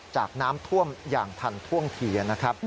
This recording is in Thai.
จากน้ำท่วมอย่างทันท่วงทีนะครับ